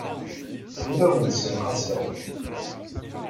Ur awen-d-ssenqaseɣ.